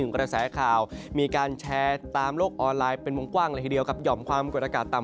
กระแสขาวมีการแชร์ตามโลกออนไลน์เป็นมุมกว้างวิทยาลัยยกับยอมความกวดอากาศต่ำ